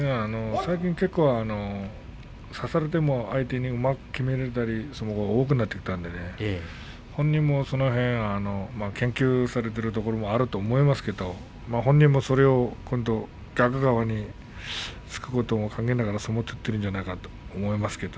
最近、結構差されても相手にうまく取られることが多くなってきたんで本人もその辺、研究しているところもあると思いますが本人もそれを逆側に突くことも考えて相撲を取ってるんじゃないかと思います。